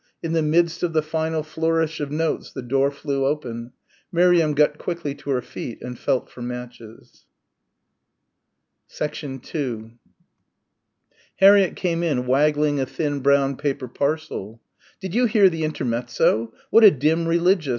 In the midst of the final flourish of notes the door flew open. Miriam got quickly to her feet and felt for matches. 2 Harriett came in waggling a thin brown paper parcel. "Did you hear the Intermezzo? What a dim religious!